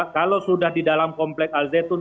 kalau sudah di dalam komplek azzetun